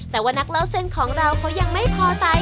แต่ว่านักเล่าเส้นของเราเขายังไม่พอใจ